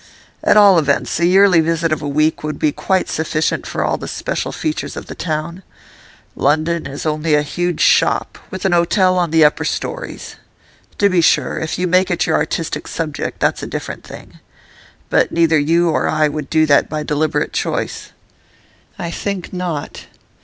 At all events, a yearly visit of a week would be quite sufficient for all the special features of the town. London is only a huge shop, with an hotel on the upper storeys. To be sure, if you make it your artistic subject, that's a different thing. But neither you nor I would do that by deliberate choice.' 'I think not.